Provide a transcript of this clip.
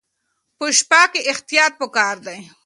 په شپه کې احتیاط پکار دی.